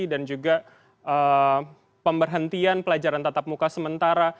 dan juga pemberhentian pelajaran tatap muka sementara